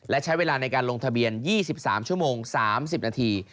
และใช้เวลาในการลงทะเบียน๒๓ชั่วโมง๓๐นาที